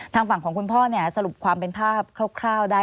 ทางฝั่งของคุณพ่อเนี่ยสรุปความเป็นภาพคร่าวได้